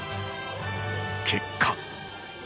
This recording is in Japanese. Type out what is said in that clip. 結果。